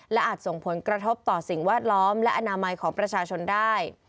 อาจส่งผลกระทบต่อสิ่งแวดล้อมและอนามัยของประชาชนได้